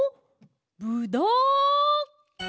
ぶどう！